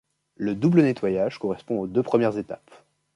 Le double nettoyage correspond aux deux premières étapes.